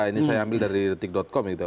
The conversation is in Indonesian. ini saya ambil dari detik com gitu